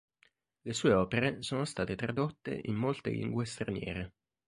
Le sue opere sono state tradotte in molte lingue straniere.